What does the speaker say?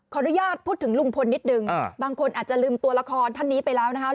อนุญาตพูดถึงลุงพลนิดนึงบางคนอาจจะลืมตัวละครท่านนี้ไปแล้วนะคะ